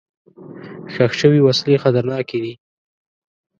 ښخ شوي وسلې خطرناکې دي.